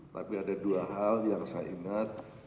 tapi ada dua hal yang saya ingat